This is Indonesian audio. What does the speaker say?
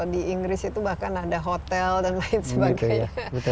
di inggris itu bahkan ada hotel dan lain sebagainya